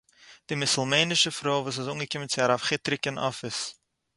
די מוסולמענישע פרוי וואָס איז אָנגעקומען צו הרב חיטריק אין אָפיס